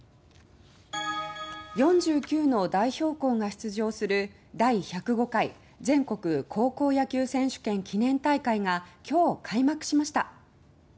４９の代表校が出場する第１０５回全国高校野球選手権記念大会が今日開幕しました。